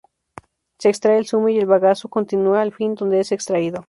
Se extrae el zumo y el bagazo continúa al fin donde es extraído.